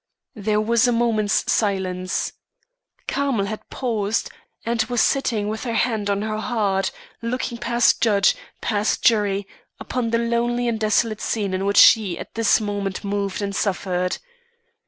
There was a moment's silence. Carmel had paused, and was sitting with her hand on her heart, looking past judge, past jury, upon the lonely and desolate scene in which she at this moment moved and suffered.